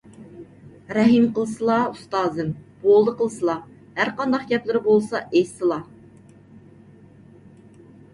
رەھىم قىلسىلا، ئۇستازىم، بولدى قىلسىلا! ھەرقانداق گەپلىرى بولسا ئېيتسىلا!